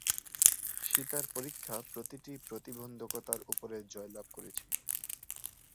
সীতার পরীক্ষা প্রতিটি প্রতিবন্ধকতার উপরে জয়লাভ করেছিল।